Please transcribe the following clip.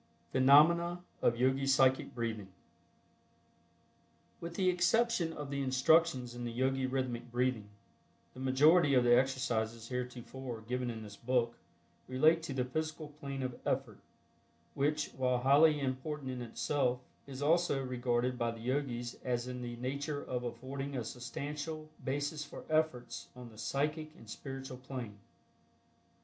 PHENOMENA OF YOGI PSYCHIC BREATHING. With the exception of the instructions in the Yogi Rhythmic Breathing, the majority of the exercises heretofore given in this book relate to the physical plane of effort, which, while highly important in itself, is also regarded by the Yogis as in the nature of affording a substantial basis for efforts on the psychic and spiritual plane.